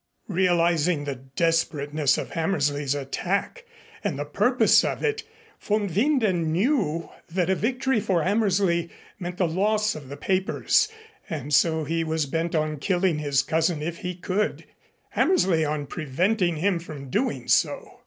Realizing the desperateness of Hammersley's attack and the purpose of it, von Winden knew that a victory for Hammersley meant the loss of the papers and so he was bent on killing his cousin if he could, Hammersley on preventing him from doing so.